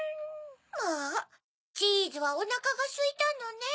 まぁチーズはおなかがすいたのね。